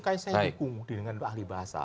kayaknya saya hukum dengan ahli bahasa